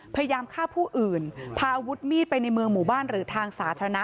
พยายามฆ่าผู้อื่นพาอาวุธมีดไปในเมืองหมู่บ้านหรือทางสาธารณะ